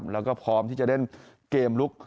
แล้วก็พร้อมที่จะเล่นเกมลุก